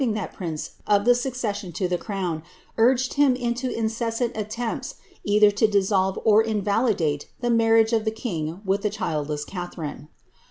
ing that prince of the succession to the crown, iii|;ed him into inceMut attempts either to dissolve or invalidate the marriage of the king with the childless Catharine.